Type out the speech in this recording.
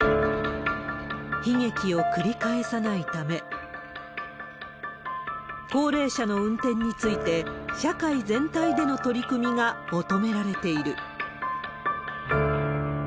悲劇を繰り返さないため、高齢者の運転について、社会全体での取り組みが求められている。